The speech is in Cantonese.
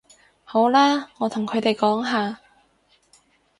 好啦，我同佢哋講吓